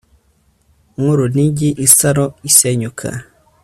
nkurunigi isaro isenyuka